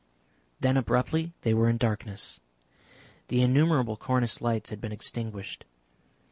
Then abruptly they were in darkness. The innumerable cornice lights had been extinguished.